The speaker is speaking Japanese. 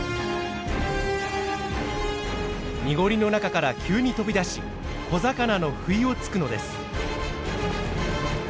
濁りの中から急に飛び出し小魚の不意をつくのです。